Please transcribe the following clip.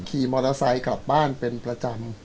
ขี่มอเตอร์ไซค์กลับบ้านเป็นประจำ